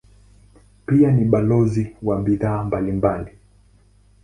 Pia ni balozi wa bidhaa mbalimbali.